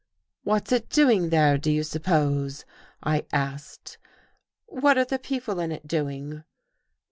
''What's it doing there, do you suppose?" I asked. " What are the people in it doing?